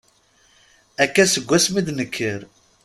Akka, seg wasmi i d-nekker.